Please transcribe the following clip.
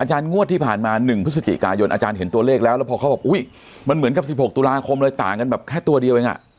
งวดที่ผ่านมา๑พฤศจิกายนอาจารย์เห็นตัวเลขแล้วแล้วพอเขาบอกอุ๊ยมันเหมือนกับ๑๖ตุลาคมเลยต่างกันแบบแค่ตัวเดียวเองอ่ะ